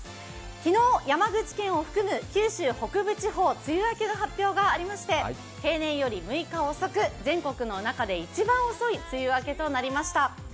昨日、山口県を含む九州北部地方、梅雨明けの発表がありまして平年より６日遅く、全国の中で一番遅い梅雨明けとなりました。